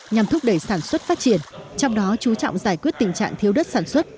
nhằm thúc đẩy sản xuất phát triển trong đó chú trọng giải quyết tình trạng thiếu đất sản xuất